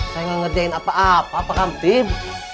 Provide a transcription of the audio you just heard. saya gak ngerjain apa apa pak kantin